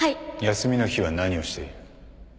休みの日は何をしている？